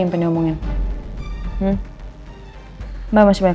untuk ngomong kaulah dengan emak